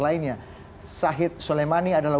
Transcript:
lainnya syahid soleimani adalah